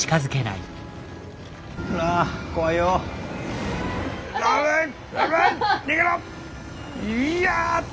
いや！